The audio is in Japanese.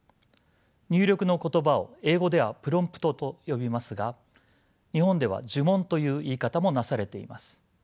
入力の言葉を英語ではプロンプトと呼びますが日本では呪文という言い方もなされています。